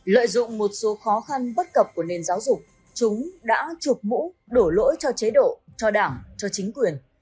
lợi dụng một số khó khăn bất cập của nền giáo dục chúng đã chụp mũ đổ lỗi cho chế độ cho đảng cho chính quyền